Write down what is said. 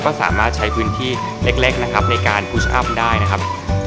ก็สามารถใช้พื้นที่เล็กนะครับในการพุชอัพได้นะครับ